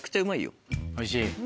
おいしい？